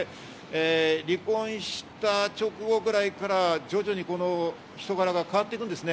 離婚した直後ぐらいから徐々に人柄が変わっていくんですね。